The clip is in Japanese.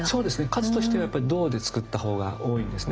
数としてはやっぱ銅でつくった方が多いんですね。